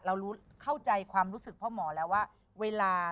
เราเข้าใจความรู้สึกเหมือนเพราะในประเทศนี้